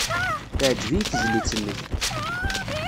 Teɛjeb-iyi tezlit-nnek.